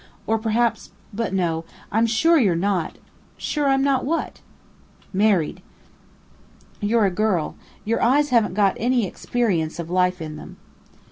Or, perhaps but no, I'm sure you're not!" "Sure I'm not what?" "Married. You're a girl. Your eyes haven't got any experience of life in them."